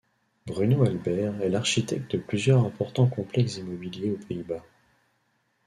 Bruno Albert est l'architecte de plusieurs importants complexes immobiliers aux Pays-Bas.